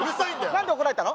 何で怒られたの？